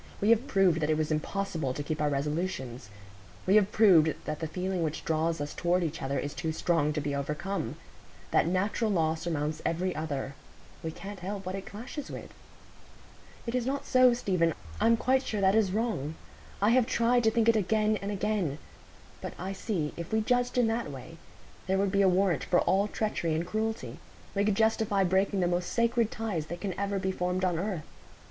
"We have proved that it was impossible to keep our resolutions. We have proved that the feeling which draws us toward each other is too strong to be overcome. That natural law surmounts every other; we can't help what it clashes with." "It is not so, Stephen; I'm quite sure that is wrong. I have tried to think it again and again; but I see, if we judged in that way, there would be a warrant for all treachery and cruelty; we should justify breaking the most sacred ties that can ever be formed on earth.